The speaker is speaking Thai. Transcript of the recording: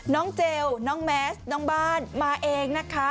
เจลน้องแมสน้องบ้านมาเองนะคะ